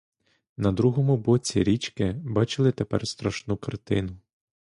На другому боці річки бачили тепер страшну картину.